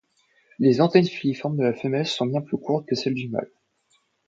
Les antennes filiformes de la femelle sont bien plus courtes que celles du mâle.